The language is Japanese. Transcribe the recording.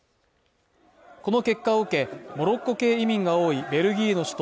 この結果を受けモロッコ系移民が多いベルギーの首都